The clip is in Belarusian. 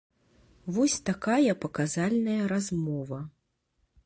Вось такая паказальная размова.